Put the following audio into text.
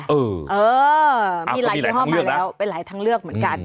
เออมีหลายยี่ห้อมาแล้วเป็นหลายทางเลือกเหมือนกัน